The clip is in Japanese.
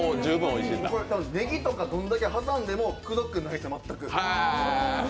ねぎとかどんだけ挟んでもくどくないです、全く。